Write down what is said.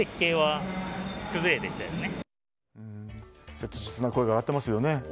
切実な声が上がっていますよね。